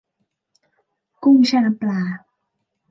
กุ้งแช่น้ำปลา